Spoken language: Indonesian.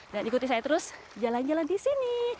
dan ikuti saya terus jalan jalan di sini